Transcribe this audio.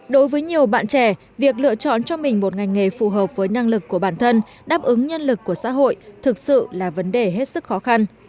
đối với nhiều bạn trẻ việc lựa chọn cho mình một ngành nghề phù hợp với năng lực của bản thân đáp ứng nhân lực của xã hội thực sự là vấn đề hết sức khó khăn